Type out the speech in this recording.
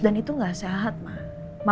dan itu gak sehat ma